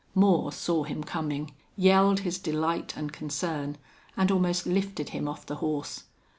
Moore saw him coming, yelled his delight and concern, and almost lifted him off the horse.